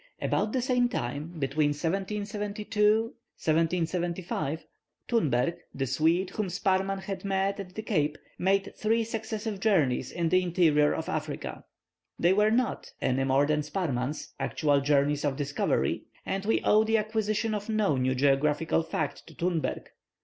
About the same time, between 1772 1775, Thunberg, the Swede, whom Sparrman had met at the Cape, made three successive journeys in the interior of Africa. They were not, any more than Sparrman's, actual journeys of discovery; and we owe the acquisition of no new geographical fact to Thunberg.